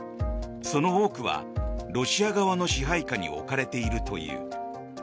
その多くはロシア側の支配下に置かれているという。